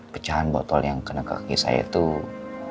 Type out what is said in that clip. pecahan botol yang kena kaki saya itu